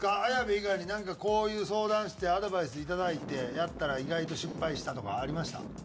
綾部以外になんかこういう相談してアドバイスいただいてやったら意外と失敗したとかありました？